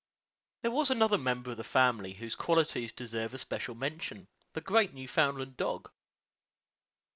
There was another member of the family whose qualities deserve especial mention the great Newfoundland dog.